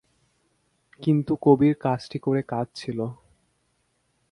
কিন্তু কবির কাজটি করে কাদঁছিল।